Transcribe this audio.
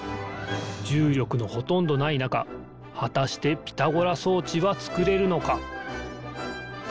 じゅうりょくのほとんどないなかはたしてピタゴラそうちはつくれるのか？